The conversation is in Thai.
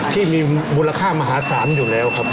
ที่มีมูลค่ามหาศาลอยู่แล้วครับ